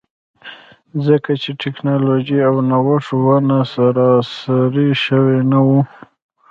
ځکه چې ټکنالوژي او نوښت ونه سراسري شوي نه وو.